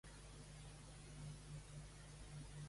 El seu pare que era arquitecte.